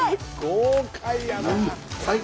豪快やな！